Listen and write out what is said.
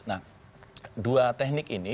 nah dua teknik ini